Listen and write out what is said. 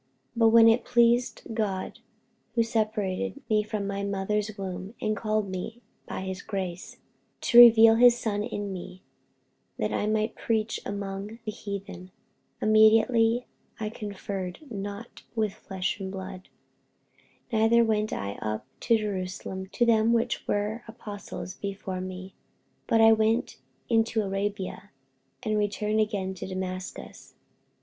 48:001:015 But when it pleased God, who separated me from my mother's womb, and called me by his grace, 48:001:016 To reveal his Son in me, that I might preach him among the heathen; immediately I conferred not with flesh and blood: 48:001:017 Neither went I up to Jerusalem to them which were apostles before me; but I went into Arabia, and returned again unto Damascus.